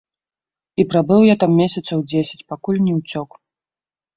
І прабыў я там месяцаў дзесяць, пакуль не ўцёк.